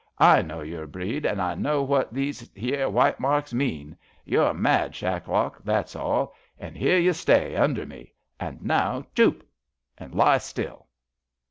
I know your breed, an' I know what these 'ere white marks mean. You're mad, Shacklock, that's all — and here you stay, under me. An* now choop, an' lie still."